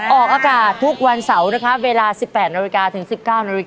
ออกอากาศทุกวันเสาร์นะคะเวลา๑๘นถึง๑๙น